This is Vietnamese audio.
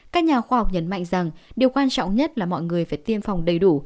các nhà khoa học nhấn mạnh rằng điều quan trọng nhất là mọi người phải tiêm phòng đầy đủ